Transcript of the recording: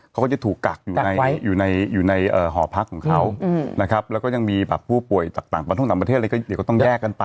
เขาก็จะถูกกักอยู่ในหอพักของเขานะครับแล้วก็ยังมีแบบผู้ป่วยจากต่างประเทศอะไรก็เดี๋ยวก็ต้องแยกกันไป